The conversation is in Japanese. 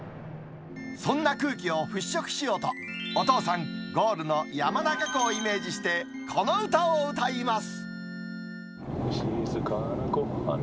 そんな空気を払拭しようと、お父さん、ゴールの山中湖をイメージして、この歌を歌います。